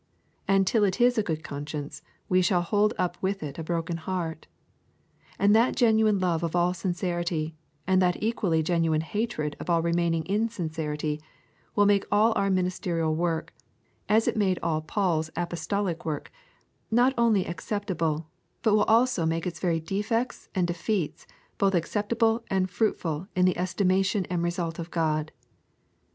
And till it is a good conscience we shall hold up with it a broken heart. And that genuine love of all sincerity, and that equally genuine hatred of all remaining insincerity, will make all our ministerial work, as it made all Paul's apostolic work, not only acceptable, but will also make its very defects and defeats both acceptable and fruitful in the estimation and result of God.